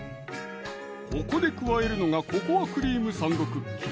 ここで加えるのがココアクリームサンドクッキー！